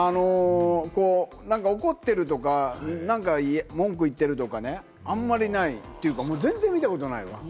怒ってるとか、何か文句言ってるとかね、あんまりないというか、全然見たことないわ。